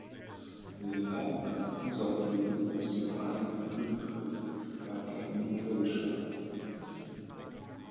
Sie haben einen Konservativen aus dem Vereinigten Königreich, Herrn Patten, vorgeschlagen.